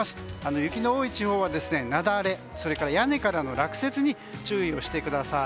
雪の多い地方は雪崩それから屋根からの落雪に注意をしてください。